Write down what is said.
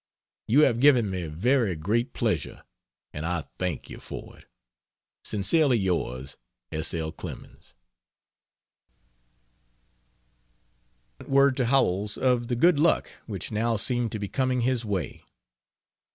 You have given me very great pleasure, and I thank you for it. Sincerely Yours S. L. CLEMENS. On the same day he sent word to Howells of the good luck which now seemed to be coming his way.